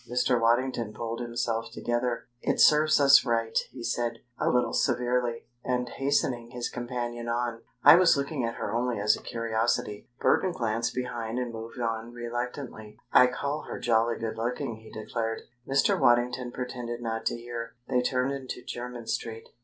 Mr. Waddington pulled himself together. "It serves us right," he said, a little severely, and hastening his companion on. "I was looking at her only as a curiosity." Burton glanced behind and move on reluctantly. "I call her jolly good looking," he declared. Mr. Waddington pretended not to hear. They turned into Jermyn Street.